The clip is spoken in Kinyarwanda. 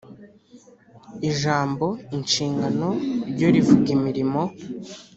Ijambo inshingano ryo rivuga imirimo